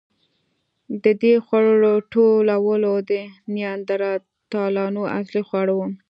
د دې خوړو ټولول د نیاندرتالانو اصلي خواړه وو.